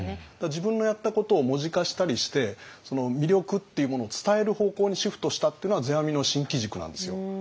自分のやったことを文字化したりして魅力っていうものを伝える方向にシフトしたっていうのは世阿弥の新機軸なんですよ。